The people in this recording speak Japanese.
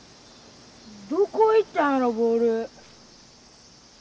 どこ行ったんやろボール。